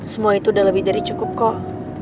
semua itu udah lebih dari cukup kok